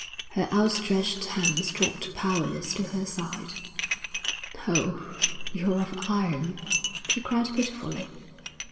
Her outstretched hands dropped powerless to her side. 'Oh, you're of iron,' she cried pitifully.